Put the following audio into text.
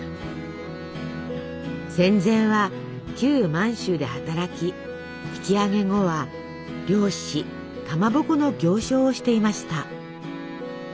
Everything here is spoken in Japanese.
戦前は旧満州で働き引き揚げ後は漁師かまぼこの行商をしていました。